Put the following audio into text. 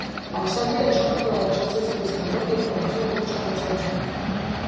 Ամսագրի այդ շապիկը առաջացրեց մեծ սկանդալ և տարածում ողջ համացանցում։